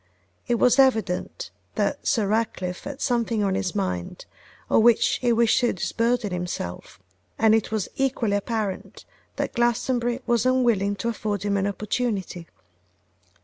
It was evident that Sir Ratcliffe had something on his mind of which he wished to disburden himself; and it was equally apparent that Glastonbury was unwilling to afford him an opportunity.